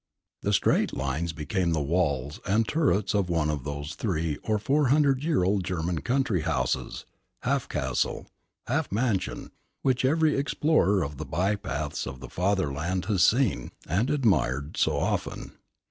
The straight lines became the walls and turrets of one of those two or three hundred year old German country houses, half castle, half mansion, which every explorer of the bye paths of the Fatherland has seen and admired so often.